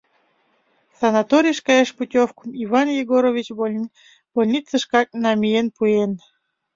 Санаторийыш каяш путевкым Иван Егорович больницышкак намиен пуэн.